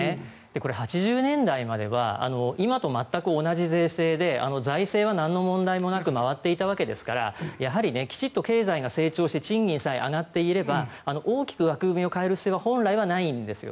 これ、８０年代までは今と全く同じ税制で財政は全く問題なく回っていたわけですからきちんと経済が成長して賃金さえ上がっていれば大きく枠組みを変える必要は本来はないんです。